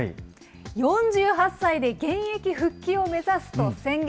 ４８歳で現役復帰を目指すと宣言。